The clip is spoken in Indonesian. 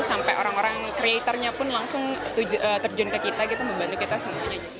sampai orang orang kreatornya pun langsung terjun ke kita gitu membantu kita semuanya